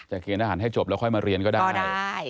จะเกณฑ์ทหารให้จบแล้วค่อยมาเรียนก็ได้